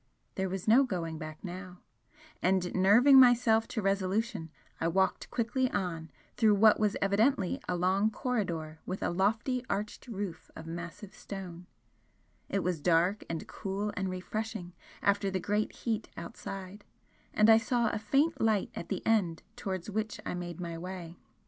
There was no going back now, and nerving myself to resolution, I walked quickly on through what was evidently a long corridor with a lofty arched roof of massive stone; it was dark and cool and refreshing after the great heat outside, and I saw a faint light at the end towards which I made my way.